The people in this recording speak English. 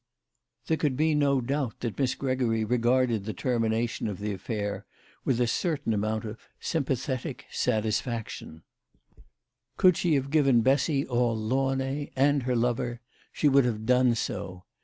There could be no doubt that Miss Gregory regarded the termination of the affair with a certain amount of sympathetic 174 THE LADY OF LATJNAY. satisfaction. Could she have given Bessy all Launay, and her lover, she would have done so.